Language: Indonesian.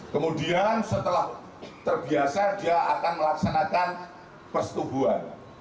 kemudian setelah terbiasa dia akan melaksanakan persetubuhan